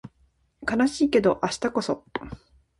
悲しいけど明日こそ